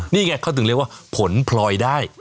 นี่ไงเขาถึงเรียกว่าผลพลอยได้